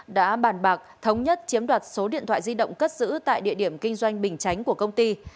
đã bàn bạc thống nhất chiếm đoạt số điện thoại di động cất giữ tại địa điểm kinh doanh bình chánh của công ty